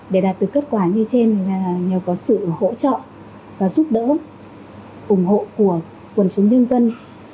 để đạt được kết quả như trên là nhờ có sự hỗ trợ và giúp đỡ ủng hộ của quần chúng nhân dân